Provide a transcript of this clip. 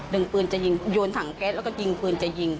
ดึงปืนจะยิง